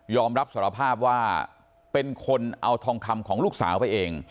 อมรับสารภาพว่าเป็นคนเอาทองคำของลูกสาวไปเอง